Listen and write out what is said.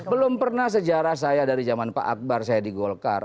belum pernah sejarah saya dari zaman pak akbar saya di golkar